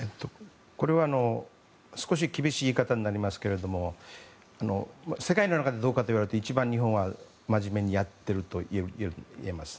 これは少し厳しい言い方になりますが世界の中でどうかといわれると日本は一番まじめにやっているといえます。